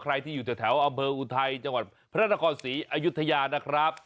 ใครที่อยู่แถวอำเภออุทัยจังหวัดพระนครศรีอายุทยานะครับ